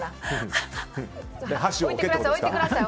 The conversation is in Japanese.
置いてください